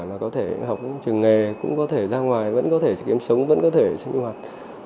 là có thể học những trường nghề cũng có thể ra ngoài vẫn có thể kiếm sống vẫn có thể sinh hoạt